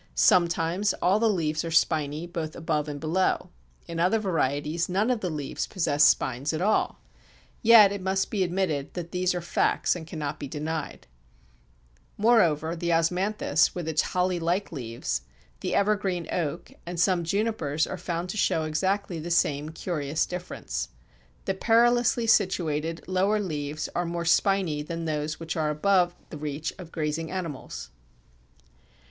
Sometimes all the leaves are spiny, both above and below. In other varieties none of the leaves possess spines at all. Yet it must be admitted that these are facts and cannot be denied. I had expressed some doubt in my Nature Studies: Plant Life. Moreover, the Osmanthus, with its holly like leaves, the Evergreen Oak, and some Junipers are found to show exactly the same curious difference. The perilously situated lower leaves are more spiny than those which are above the reach of grazing animals.